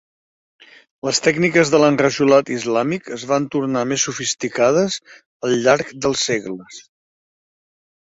Les tècniques de l'enrajolat islàmic es van tornar més sofisticades al llarg dels segles.